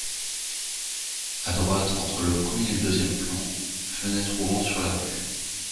A droite, entre le premier et le deuxième plan, fenêtre ouvrant sur la rue.